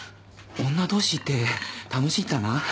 女同士って楽しいんだな。